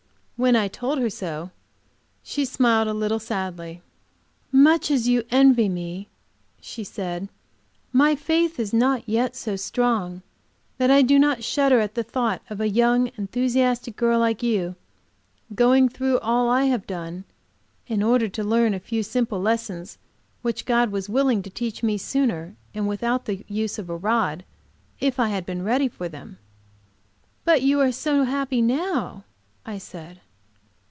When I told her so, she smiled, a little sadly. "Much as you envy me," she said, "my faith is not yet so strong that I do not shudder at the thought of a young enthusiastic girl like you, going through all I have done in order to learn a few simple lessons which God was willing to teach me sooner and without the use of a rod, if I had been ready for them." "But you are so happy now," I said.